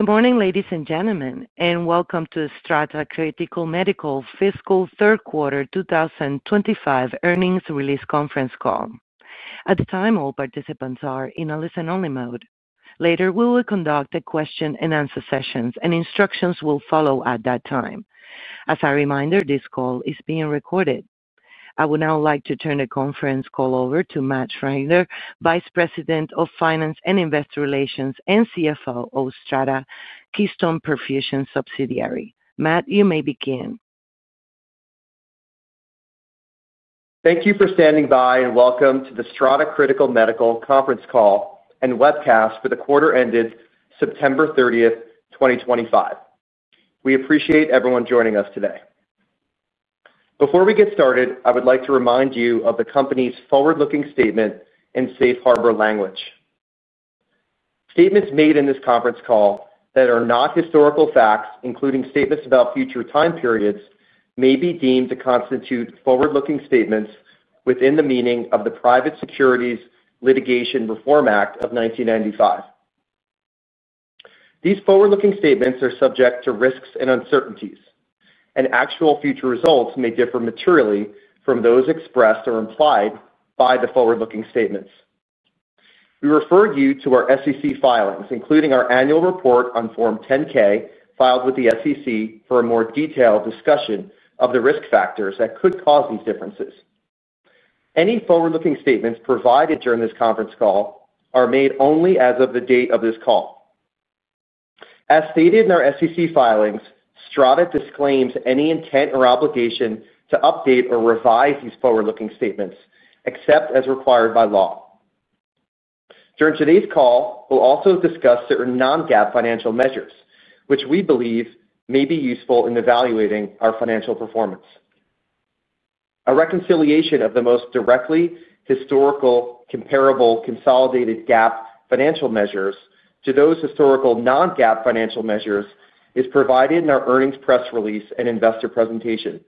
Good morning, ladies and gentlemen, and welcome to the Strata Critical Medical fiscal third quarter 2025 earnings release conference call. At this time, all participants are in a listen-only mode. Later, we will conduct the question-and-answer sessions, and instructions will follow at that time. As a reminder, this call is being recorded. I would now like to turn the conference call over to Matt Schneider, Vice President of Finance and Investor Relations and CFO of Strata, Keystone Perfusion Subsidiary. Matt, you may begin. Thank you for standing by, and welcome to the Strata Critical Medical conference call and webcast for the quarter ended September 30, 2025. We appreciate everyone joining us today. Before we get started, I would like to remind you of the company's forward-looking statement and safe harbor language. Statements made in this conference call that are not historical facts, including statements about future time periods, may be deemed to constitute forward-looking statements within the meaning of the Private Securities Litigation Reform Act of 1995. These forward-looking statements are subject to risks and uncertainties, and actual future results may differ materially from those expressed or implied by the forward-looking statements. We refer you to our SEC filings, including our annual report on Form 10-K filed with the SEC for a more detailed discussion of the risk factors that could cause these differences. Any forward-looking statements provided during this conference call are made only as of the date of this call. As stated in our SEC filings, Strata disclaims any intent or obligation to update or revise these forward-looking statements, except as required by law. During today's call, we'll also discuss certain non-GAAP financial measures, which we believe may be useful in evaluating our financial performance. A reconciliation of the most directly historical comparable consolidated GAAP financial measures to those historical non-GAAP financial measures is provided in our earnings press release and investor presentation.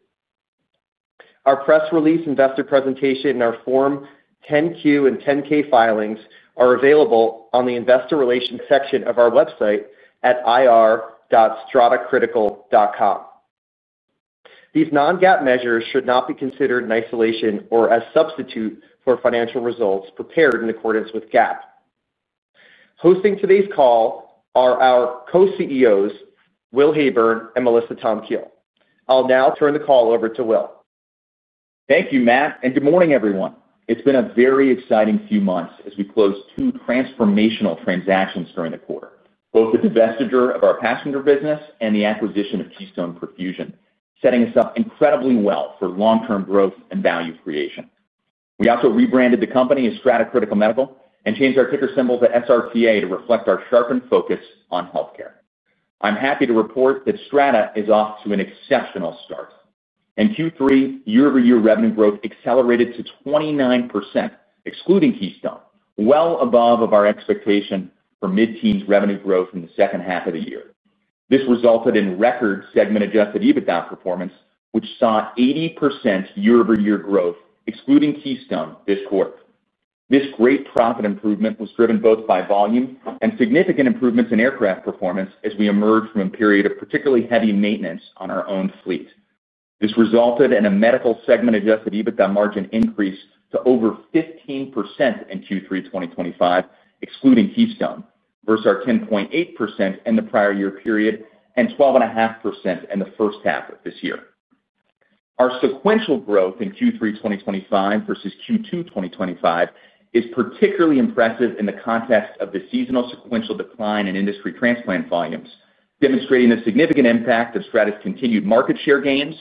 Our press release, investor presentation, and our Form 10-Q and 10-K filings are available on the investor relations section of our website at ir-stratacritical.com. These non-GAAP measures should not be considered in isolation or as substitutes for financial results prepared in accordance with GAAP. Hosting today's call are our Co-CEOs, Will Heyburn and Melissa Tomkiel. I'll now turn the call over to Will. Thank you, Matt, and good morning, everyone. It's been a very exciting few months as we closed two transformational transactions during the quarter, both the divestiture of our passenger business and the acquisition of Keystone Perfusion, setting us up incredibly well for long-term growth and value creation. We also rebranded the company as Strata Critical Medical and changed our ticker symbol to SRTA to reflect our sharpened focus on healthcare. I'm happy to report that Strata is off to an exceptional start. In Q3, year-over-year revenue growth accelerated to 29%, excluding Keystone, well above our expectation for mid-teens revenue growth in the second half of the year. This resulted in record segment-adjusted EBITDA performance, which saw 80% year-over-year growth, excluding Keystone, this quarter. This great profit improvement was driven both by volume and significant improvements in aircraft performance as we emerged from a period of particularly heavy maintenance on our own fleet. This resulted in a medical segment-adjusted EBITDA margin increase to over 15% in Q3 2025, excluding Keystone, versus our 10.8% in the prior year period and 12.5% in the first half of this year. Our sequential growth in Q3 2025 versus Q2 2025 is particularly impressive in the context of the seasonal sequential decline in industry transplant volumes, demonstrating the significant impact of Strata's continued market share gains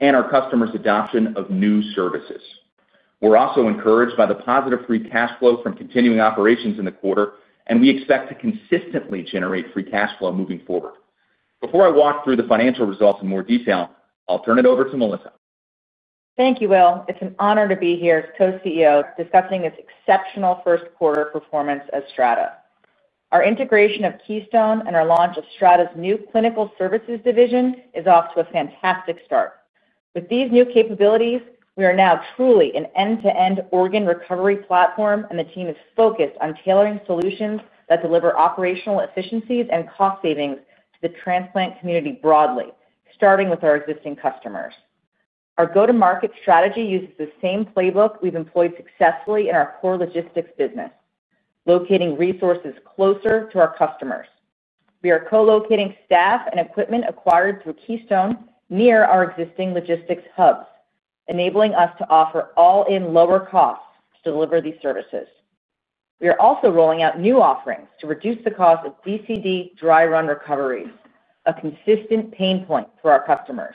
and our customers' adoption of new services. We are also encouraged by the positive free cash flow from continuing operations in the quarter, and we expect to consistently generate free cash flow moving forward. Before I walk through the financial results in more detail, I will turn it over to Melissa. Thank you, Will. It's an honor to be here as Co-CEO discussing this exceptional first quarter performance of Strata. Our integration of Keystone and our launch of Strata's new clinical services division is off to a fantastic start. With these new capabilities, we are now truly an end-to-end organ recovery platform, and the team is focused on tailoring solutions that deliver operational efficiencies and cost savings to the transplant community broadly, starting with our existing customers. Our go-to-market strategy uses the same playbook we've employed successfully in our core logistics business, locating resources closer to our customers. We are co-locating staff and equipment acquired through Keystone near our existing logistics hubs, enabling us to offer all-in lower costs to deliver these services. We are also rolling out new offerings to reduce the cost of DCD dry-run recoveries, a consistent pain point for our customers.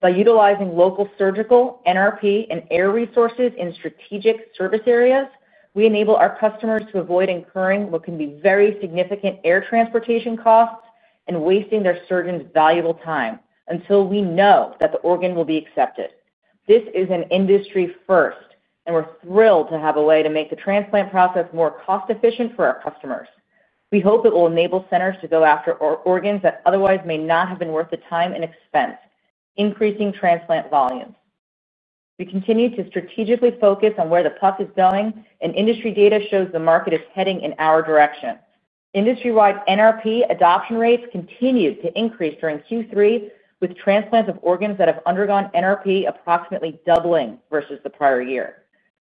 By utilizing local surgical, NRP, and air resources in strategic service areas, we enable our customers to avoid incurring what can be very significant air transportation costs and wasting their surgeon's valuable time until we know that the organ will be accepted. This is an industry first, and we're thrilled to have a way to make the transplant process more cost-efficient for our customers. We hope it will enable centers to go after organs that otherwise may not have been worth the time and expense, increasing transplant volumes. We continue to strategically focus on where the puck is going, and industry data shows the market is heading in our direction. Industry-wide NRP adoption rates continued to increase during Q3, with transplants of organs that have undergone NRP approximately doubling versus the prior year.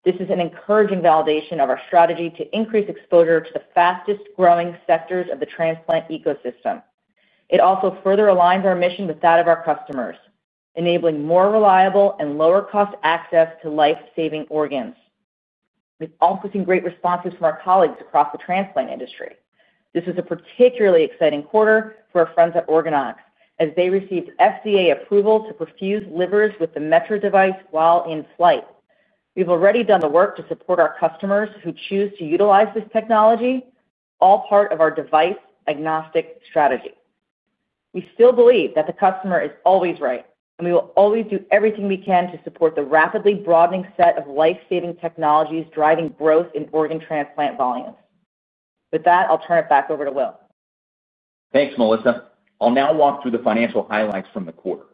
This is an encouraging validation of our strategy to increase exposure to the fastest-growing sectors of the transplant ecosystem. It also further aligns our mission with that of our customers, enabling more reliable and lower-cost access to life-saving organs. We've also seen great responses from our colleagues across the transplant industry. This was a particularly exciting quarter for our friends at OrganOx, as they received FDA approval to perfuse livers with the Metro device while in flight. We've already done the work to support our customers who choose to utilize this technology, all part of our device-agnostic strategy. We still believe that the customer is always right, and we will always do everything we can to support the rapidly broadening set of life-saving technologies driving growth in organ transplant volumes. With that, I'll turn it back over to Will. Thanks, Melissa. I'll now walk through the financial highlights from the quarter.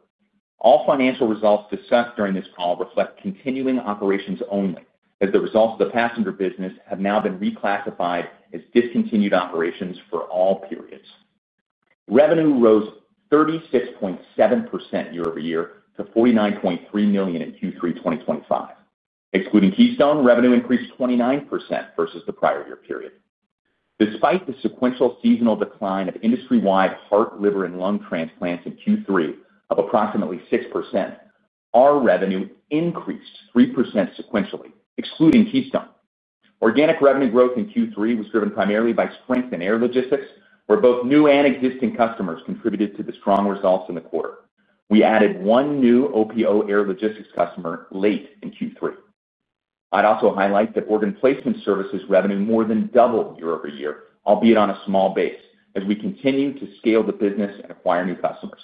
All financial results discussed during this call reflect continuing operations only, as the results of the passenger business have now been reclassified as discontinued operations for all periods. Revenue rose 36.7% year-over-year to $49.3 million in Q3 2025. Excluding Keystone, revenue increased 29% versus the prior year period. Despite the sequential seasonal decline of industry-wide heart, liver, and lung transplants in Q3 of approximately 6%, our revenue increased 3% sequentially, excluding Keystone. Organic revenue growth in Q3 was driven primarily by strength in air logistics, where both new and existing customers contributed to the strong results in the quarter. We added one new OPO air logistics customer late in Q3. I'd also highlight that organ placement services revenue more than doubled year-over-year, albeit on a small base, as we continue to scale the business and acquire new customers.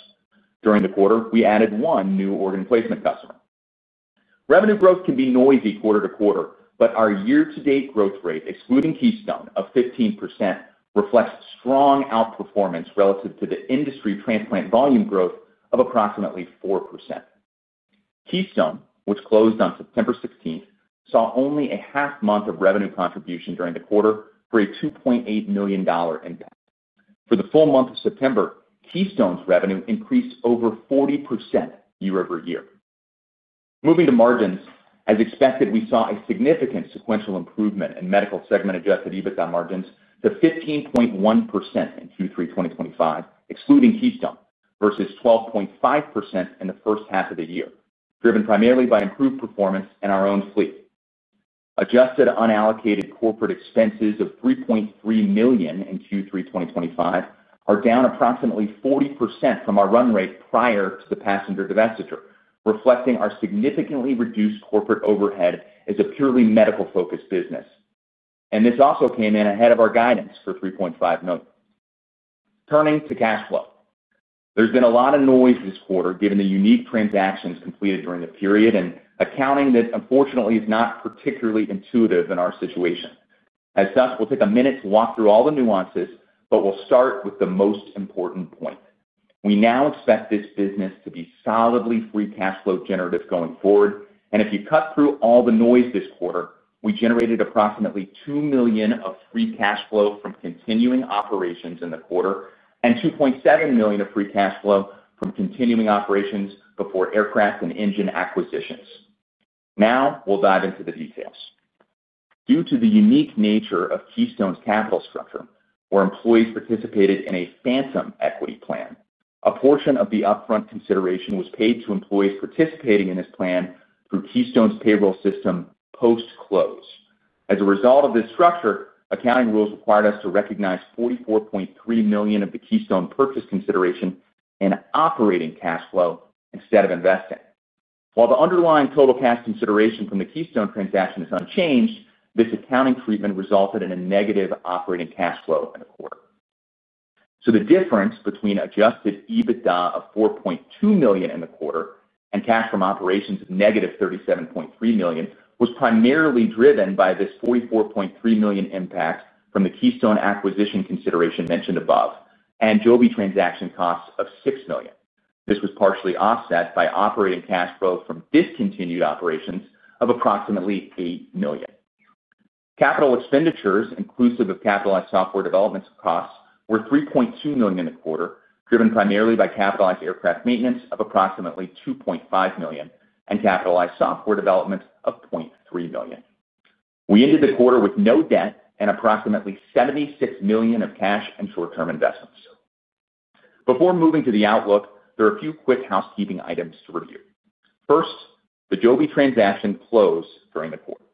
During the quarter, we added one new organ placement customer. Revenue growth can be noisy quarter to quarter, but our year-to-date growth rate, excluding Keystone, of 15% reflects strong outperformance relative to the industry transplant volume growth of approximately 4%. Keystone, which closed on September 16, saw only a half-month of revenue contribution during the quarter for a $2.8 million impact. For the full month of September, Keystone's revenue increased over 40% year-over-year. Moving to margins, as expected, we saw a significant sequential improvement in medical segment-adjusted EBITDA margins to 15.1% in Q3 2025, excluding Keystone, versus 12.5% in the first half of the year, driven primarily by improved performance in our own fleet. Adjusted unallocated corporate expenses of $3.3 million in Q3 2025 are down approximately 40% from our run rate prior to the passenger divestiture, reflecting our significantly reduced corporate overhead as a purely medical-focused business. This also came in ahead of our guidance for $3.5 million. Turning to cash flow, there's been a lot of noise this quarter given the unique transactions completed during the period, and accounting that, unfortunately, is not particularly intuitive in our situation. As such, we'll take a minute to walk through all the nuances, but we'll start with the most important point. We now expect this business to be solidly free cash flow generative going forward, and if you cut through all the noise this quarter, we generated approximately $2 million of free cash flow from continuing operations in the quarter and $2.7 million of free cash flow from continuing operations before aircraft and engine acquisitions. Now we'll dive into the details. Due to the unique nature of Keystone's capital structure, where employees participated in a phantom equity plan, a portion of the upfront consideration was paid to employees participating in this plan through Keystone's payroll system post-close. As a result of this structure, accounting rules required us to recognize $44.3 million of the Keystone purchase consideration in operating cash flow instead of investing. While the underlying total cash consideration from the Keystone transaction is unchanged, this accounting treatment resulted in a negative operating cash flow in the quarter. The difference between adjusted EBITDA of $4.2 million in the quarter and cash from operations of negative $37.3 million was primarily driven by this $44.3 million impact from the Keystone acquisition consideration mentioned above and Joby transaction costs of $6 million. This was partially offset by operating cash flow from discontinued operations of approximately $8 million. Capital expenditures, inclusive of capitalized software development costs, were $3.2 million in the quarter, driven primarily by capitalized aircraft maintenance of approximately $2.5 million and capitalized software development of $0.3 million. We ended the quarter with no debt and approximately $76 million of cash and short-term investments. Before moving to the outlook, there are a few quick housekeeping items to review. First, the Joby transaction closed during the quarter.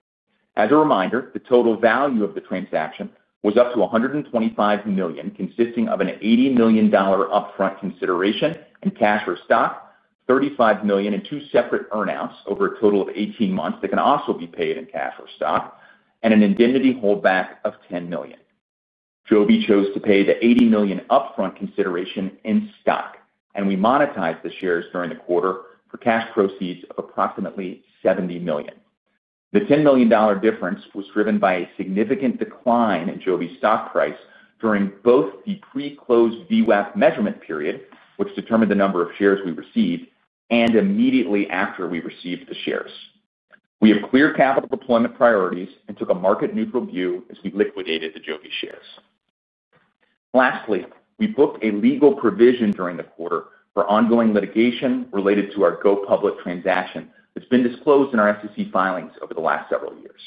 As a reminder, the total value of the transaction was up to $125 million, consisting of an $80 million upfront consideration in cash or stock, $35 million in two separate earnouts over a total of 18 months that can also be paid in cash or stock, and an indemnity holdback of $10 million. Joby chose to pay the $80 million upfront consideration in stock, and we monetized the shares during the quarter for cash proceeds of approximately $70 million. The $10 million difference was driven by a significant decline in Joby's stock price during both the pre-closed VWAP measurement period, which determined the number of shares we received, and immediately after we received the shares. We have clear capital deployment priorities and took a market-neutral view as we liquidated the Joby shares. Lastly, we booked a legal provision during the quarter for ongoing litigation related to our go-public transaction that's been disclosed in our FCC filings over the last several years.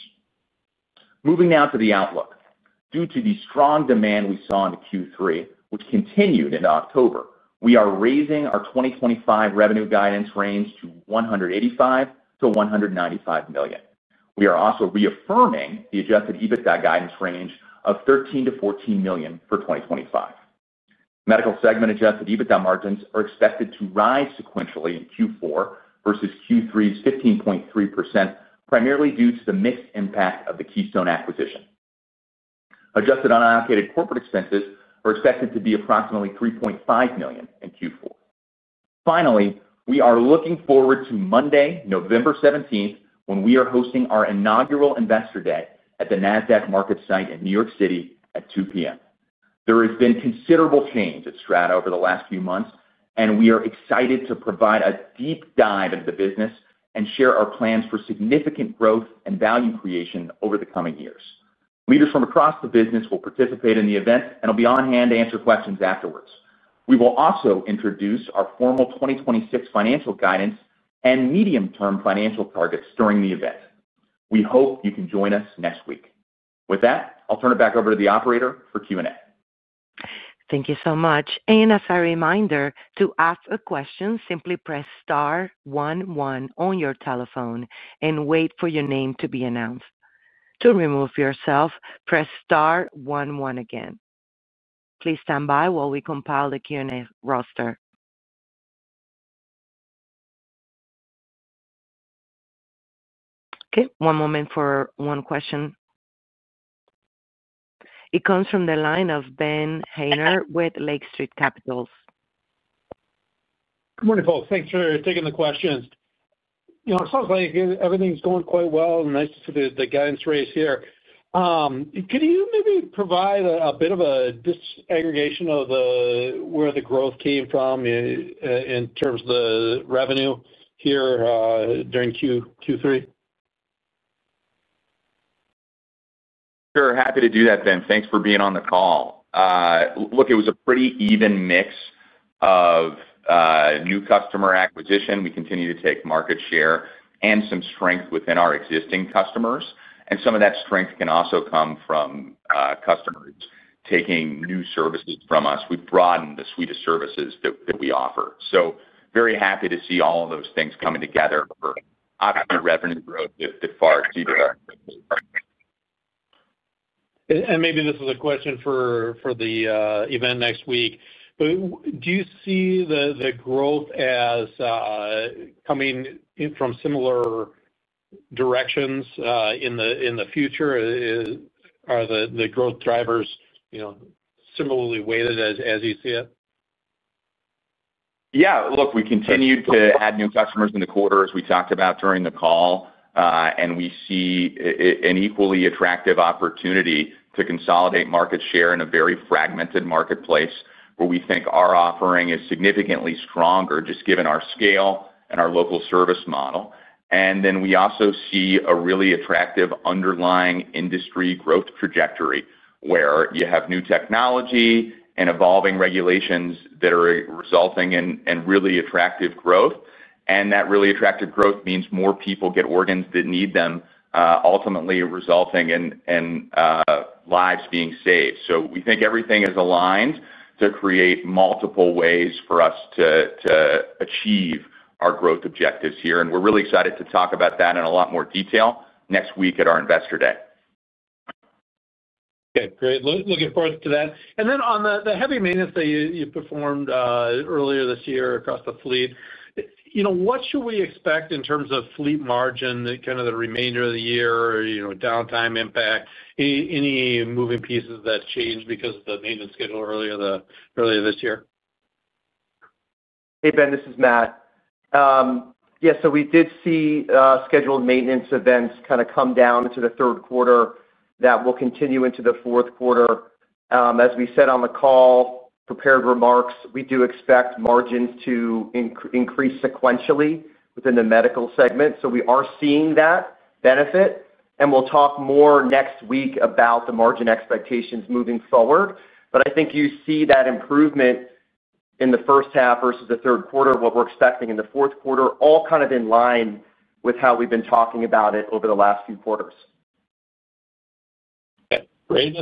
Moving now to the outlook. Due to the strong demand we saw in Q3, which continued into October, we are raising our 2025 revenue guidance range to $185 million-$195 million. We are also reaffirming the adjusted EBITDA guidance range of $13 million-$14 million for 2025. Medical segment-adjusted EBITDA margins are expected to rise sequentially in Q4 versus Q3's 15.3%, primarily due to the mixed impact of the Keystone acquisition. Adjusted unallocated corporate expenses are expected to be approximately $3.5 million in Q4. Finally, we are looking forward to Monday, November 17, when we are hosting our inaugural Investor Day at the Nasdaq Markets site in New York City at 2:00 P.M. There has been considerable change at Strata over the last few months, and we are excited to provide a deep dive into the business and share our plans for significant growth and value creation over the coming years. Leaders from across the business will participate in the event and will be on hand to answer questions afterwards. We will also introduce our formal 2026 financial guidance and medium-term financial targets during the event. We hope you can join us next week. With that, I'll turn it back over to the operator for Q&A. Thank you so much. As a reminder, to ask a question, simply press Star one one on your telephone and wait for your name to be announced. To remove yourself, press Star one one again. Please stand by while we compile the Q&A roster. Okay. One moment for one question. It comes from the line of Ben Haynor with Lake Street Capital. Good morning, folks. Thanks for taking the questions. It sounds like everything's going quite well. Nice to see the guidance raise here. Could you maybe provide a bit of a disaggregation of where the growth came from in terms of the revenue here during Q3? Sure. Happy to do that, Ben. Thanks for being on the call. Look, it was a pretty even mix of new customer acquisition. We continue to take market share and some strength within our existing customers. Some of that strength can also come from customers taking new services from us. We have broadened the suite of services that we offer. Very happy to see all of those things coming together for obviously revenue growth that far exceeds our expectations. Maybe this is a question for the event next week. Do you see the growth as coming from similar directions in the future? Are the growth drivers similarly weighted as you see it? Yeah. Look, we continued to add new customers in the quarter, as we talked about during the call. We see an equally attractive opportunity to consolidate market share in a very fragmented marketplace where we think our offering is significantly stronger, just given our scale and our local service model. We also see a really attractive underlying industry growth trajectory where you have new technology and evolving regulations that are resulting in really attractive growth. That really attractive growth means more people get organs that need them, ultimately resulting in lives being saved. We think everything is aligned to create multiple ways for us to achieve our growth objectives here. We are really excited to talk about that in a lot more detail next week at our Investor Day. Okay. Great. Looking forward to that. On the heavy maintenance that you performed earlier this year across the fleet, what should we expect in terms of fleet margin, kind of the remainder of the year, downtime impact, any moving pieces that changed because of the maintenance schedule earlier this year? Hey, Ben. This is Matt. Yeah. We did see scheduled maintenance events kind of come down into the third quarter that will continue into the fourth quarter. As we said on the call, prepared remarks, we do expect margins to increase sequentially within the medical segment. We are seeing that benefit. We will talk more next week about the margin expectations moving forward. I think you see that improvement in the first half versus the third quarter, what we're expecting in the fourth quarter, all kind of in line with how we've been talking about it over the last few quarters. Okay. Great.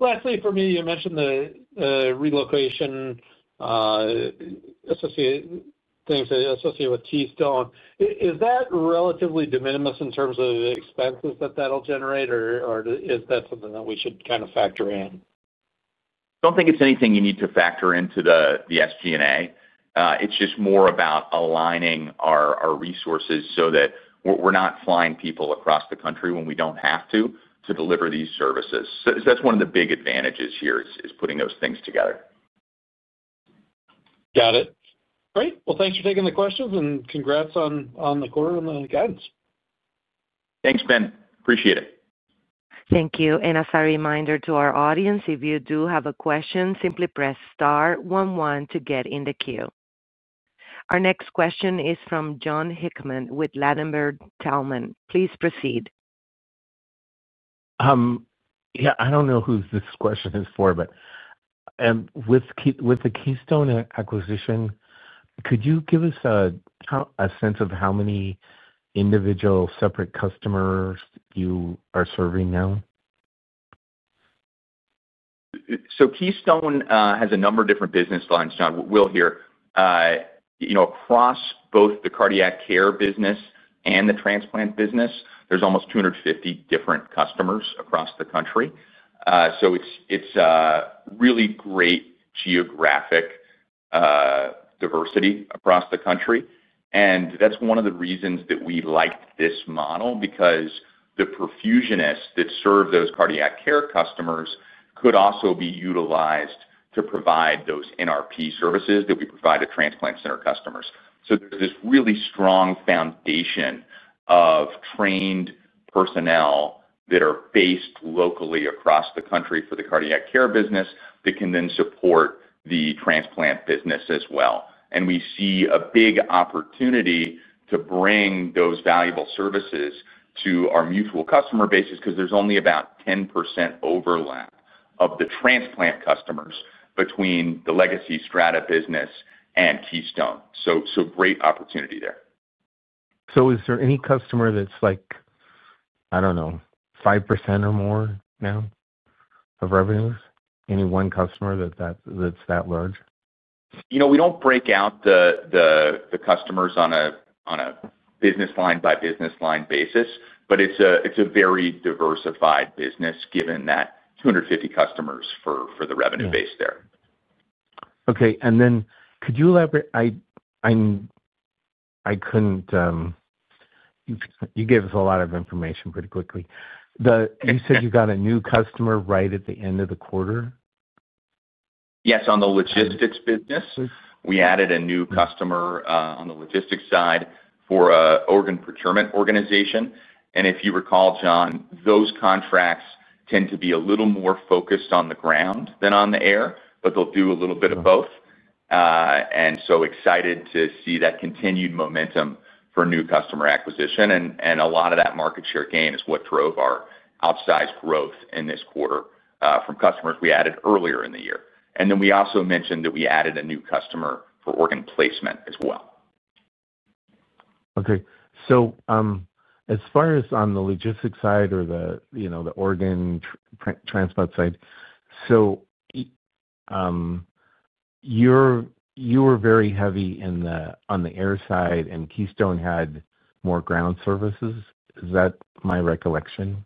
Lastly, for me, you mentioned the relocation associated things associated with Keystone. Is that relatively de minimis in terms of expenses that that will generate, or is that something that we should kind of factor in? Don't think it's anything you need to factor into the SG&A. It's just more about aligning our resources so that we're not flying people across the country when we don't have to deliver these services. That's one of the big advantages here, is putting those things together. Got it. Great. Thanks for taking the questions, and congrats on the quarter and the guidance. Thanks, Ben. Appreciate it. Thank you. As a reminder to our audience, if you do have a question, simply press Star 11 to get in the queue. Our next question is from John Hickman with Ladenburg Thalmann. Please proceed. Yeah. I don't know who this question is for, but with the Keystone acquisition, could you give us a sense of how many individual separate customers you are serving now? Keystone has a number of different business lines, John, we'll hear. Across both the cardiac care business and the transplant business, there's almost 250 different customers across the country. It is really great geographic diversity across the country. That is one of the reasons that we liked this model, because the perfusionists that serve those cardiac care customers could also be utilized to provide those NRP services that we provide to transplant center customers. There is this really strong foundation of trained personnel that are based locally across the country for the cardiac care business that can then support the transplant business as well. We see a big opportunity to bring those valuable services to our mutual customer bases, because there's only about 10% overlap of the transplant customers between the legacy Strata business and Keystone. Great opportunity there. Is there any customer that's, I don't know, 5% or more now of revenues? Any one customer that's that large? We don't break out the customers on a business line-by-business line basis, but it's a very diversified business, given that 250 customers for the revenue base there. Okay. Could you elaborate? You gave us a lot of information pretty quickly. You said you got a new customer right at the end of the quarter? Yes. On the logistics business, we added a new customer on the logistics side for an organ procurement organization. If you recall, John, those contracts tend to be a little more focused on the ground than on the air, but they'll do a little bit of both. Excited to see that continued momentum for new customer acquisition. A lot of that market share gain is what drove our outsized growth in this quarter from customers we added earlier in the year. We also mentioned that we added a new customer for organ placement as well. Okay. As far as on the logistics side or the organ transplant side, you were very heavy on the air side, and Keystone had more ground services. Is that my recollection?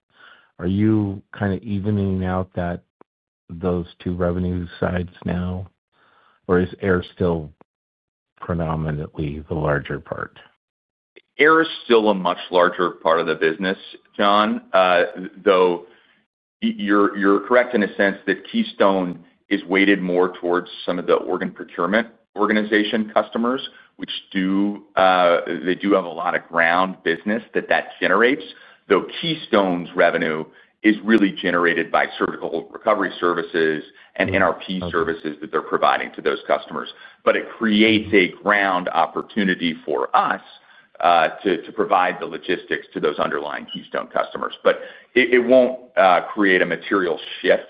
Are you kind of evening out those two revenue sides now, or is air still predominantly the larger part? Air is still a much larger part of the business, John, though you're correct in a sense that Keystone is weighted more towards some of the organ procurement organization customers, which they do have a lot of ground business that generates. Though Keystone's revenue is really generated by surgical recovery services and NRP services that they're providing to those customers. It creates a ground opportunity for us to provide the logistics to those underlying Keystone customers. It won't create a material shift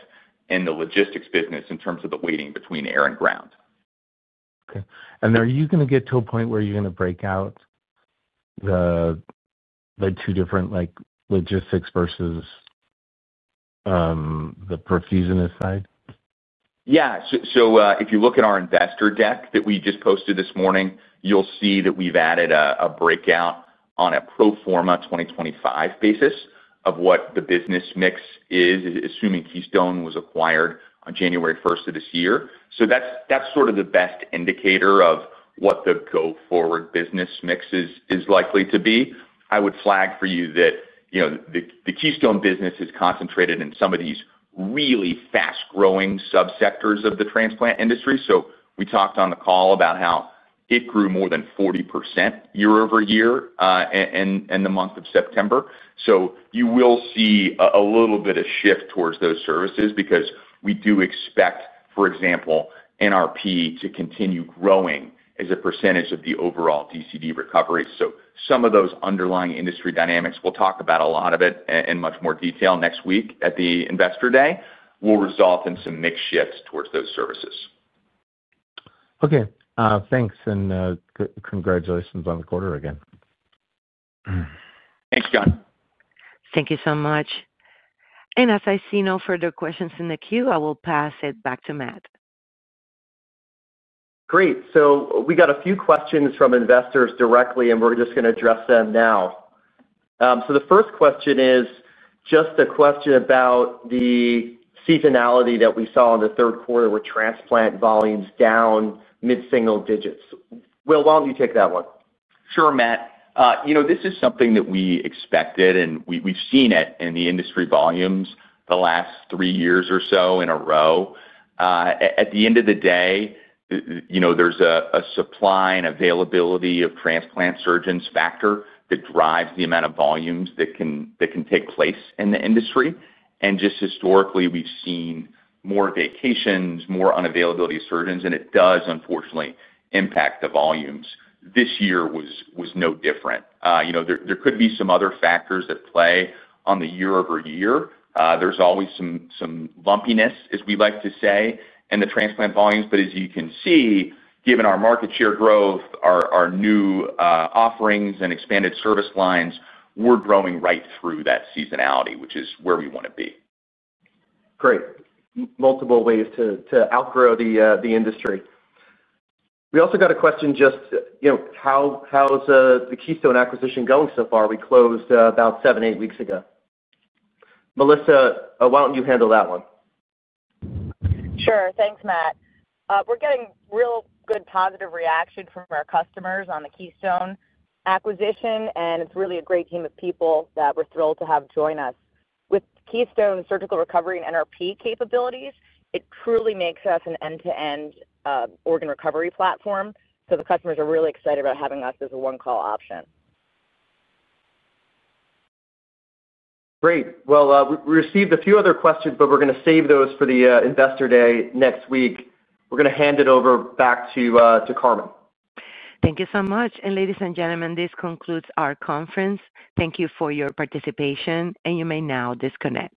in the logistics business in terms of the weighting between air and ground. Okay. Are you going to get to a point where you're going to break out the two different logistics versus the perfusionist side? Yeah. If you look at our investor deck that we just posted this morning, you'll see that we've added a breakout on a pro forma 2025 basis of what the business mix is, assuming Keystone was acquired on January 1 of this year. That's sort of the best indicator of what the go-forward business mix is likely to be. I would flag for you that the Keystone business is concentrated in some of these really fast-growing subsectors of the transplant industry. We talked on the call about how it grew more than 40% year over year in the month of September. You will see a little bit of shift towards those services because we do expect, for example, NRP to continue growing as a percentage of the overall DCD recovery. Some of those underlying industry dynamics—we'll talk about a lot of it in much more detail next week at the Investor Day—will result in some mixed shifts towards those services. Okay. Thanks. Congratulations on the quarter again. Thanks, John. Thank you so much. As I see no further questions in the queue, I will pass it back to Matt. Great. We got a few questions from investors directly, and we're just going to address them now. The first question is just a question about the seasonality that we saw in the third quarter where transplant volumes down mid-single digits. Will, why don't you take that one? Sure, Matt. This is something that we expected, and we've seen it in the industry volumes the last three years or so in a row. At the end of the day, there's a supply and availability of transplant surgeons factor that drives the amount of volumes that can take place in the industry. And just historically, we've seen more vacations, more unavailability of surgeons, and it does, unfortunately, impact the volumes. This year was no different. There could be some other factors that play on the year-over-year. There's always some lumpiness, as we like to say, in the transplant volumes. But as you can see, given our market share growth, our new offerings, and expanded service lines, we're growing right through that seasonality, which is where we want to be. Great. Multiple ways to outgrow the industry. We also got a question just, how's the Keystone acquisition going so far? We closed about seven, eight weeks ago. Melissa, why don't you handle that one? Sure. Thanks, Matt. We're getting real good positive reaction from our customers on the Keystone acquisition, and it's really a great team of people that we're thrilled to have join us. With Keystone's surgical recovery and NRP capabilities, it truly makes us an end-to-end organ recovery platform. The customers are really excited about having us as a one-call option. Great. We received a few other questions, but we're going to save those for the Investor Day next week. We're going to hand it over back to Carmen. Thank you so much. Ladies and gentlemen, this concludes our conference. Thank you for your participation, and you may now disconnect.